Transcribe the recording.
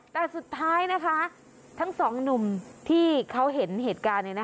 แต่สุดท้ายนะคะทั้งสองหนุ่มที่เขาเห็นเหตุการณ์